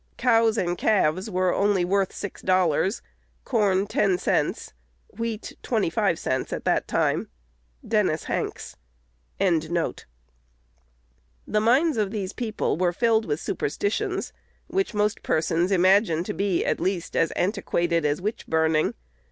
Cows and calves were only worth six dollars; corn, ten cents; wheat, twenty five cents at that time." Dennis Hanks. The minds of these people were filled with superstitions, which most persons imagine to be, at least, as antiquated as witch burning.